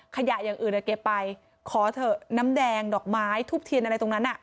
อย่างอื่นเก็บไปขอเถอะน้ำแดงดอกไม้ทูบเทียนอะไรตรงนั้น